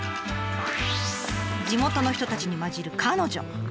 地元の人たちに交じる彼女。